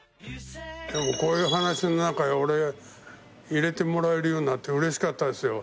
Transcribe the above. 今日もこういう話の中で俺入れてもらえるようになってうれしかったですよ。